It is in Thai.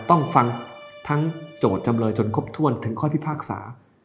ต้องฟังทั้งโจทย์จำเลยจนครบถ้วนถึงข้อพิพากษา